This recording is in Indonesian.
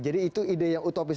jadi itu ide yang utopis